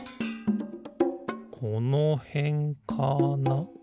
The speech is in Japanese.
このへんかな？